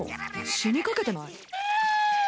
死にかけてない？